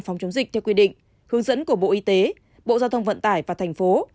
phòng chống dịch theo quy định hướng dẫn của bộ y tế bộ giao thông vận tải và thành phố